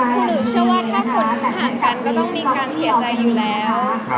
คือหนูเชื่อว่าถ้าคนห่างกันก็ต้องมีการเสียใจอยู่แล้ว